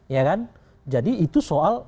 ya kan jadi itu soal